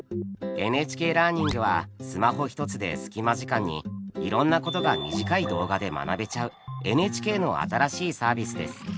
「ＮＨＫラーニング」はスマホ一つで隙間時間にいろんなことが短い動画で学べちゃうＮＨＫの新しいサービスです。